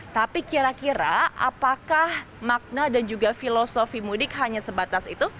tapi kira kira apakah makna dan juga filosofi mudik hanya sebatas itu